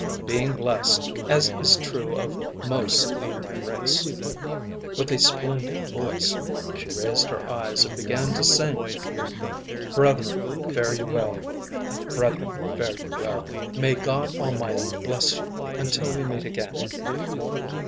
Being blessed, as is true of most of my race, with a splendid voice, she raised her eyes, and began to sing: "Brethren, fare you well, brethren, fare you well, May God Almighty bless you until we meet again."